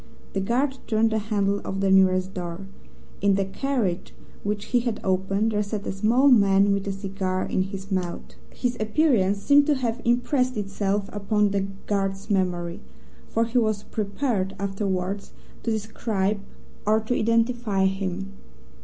The guard turned the handle of the nearest door. In the carriage which he had opened, there sat a small man with a cigar in his mouth. His appearance seems to have impressed itself upon the guard's memory, for he was prepared, afterwards, to describe or to identify him.